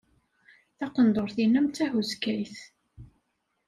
Taqendurt-nnem d tahuskayt.